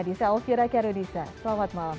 di sa'olfira karunia selamat malam